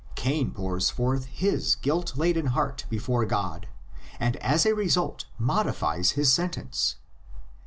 Cain pours forth his guilt laden heart before God, and as a result modifies his sentence.